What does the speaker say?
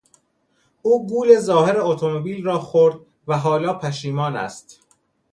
او گول ظاهر اتومبیل را خورد و حالا پشیمان است.